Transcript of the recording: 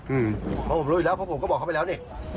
เพราะผมรู้อยู่แล้วเพราะผมก็บอกเขาไปแล้วนี่